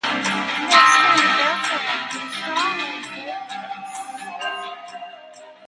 The extended Bell family was strongly in favor of the secession.